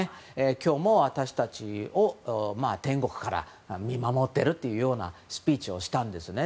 今日も私たちを天国から見守っているというようなスピーチをしたんですね。